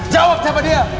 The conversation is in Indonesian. jawab siapa dia